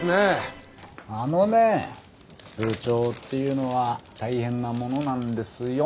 あのね部長っていうのは大変なものなんですよ。